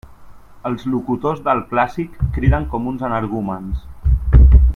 Els locutors del clàssic criden com uns energúmens.